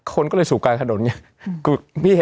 คนก็เลยสูบการถนนอย่างนี้